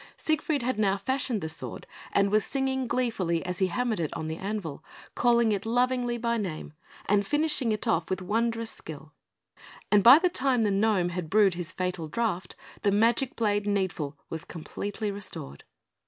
Siegfried had now fashioned his sword, and was singing gleefully as he hammered it on the anvil, calling it lovingly by name, and finishing it off with wondrous skill; and by the time the gnome had brewed his fatal draught, the magic blade, Needful, was completely restored.